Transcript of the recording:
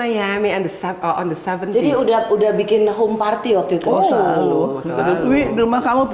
jadi udah bikin party rumah waktu itu